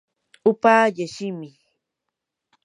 upallaa shimiki.